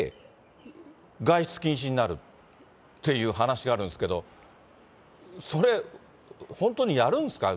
外出禁止になるっていう話があるんですけど、それ、本当にやるんですか？